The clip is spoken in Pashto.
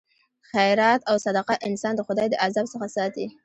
خیرات او صدقه انسان د خدای د عذاب څخه ساتي.